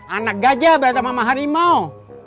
anak gajah berantem sama harimau